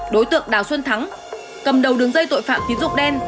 đối tượng đào xuân thắng cầm đầu đường dây tội phạm tín dụng đen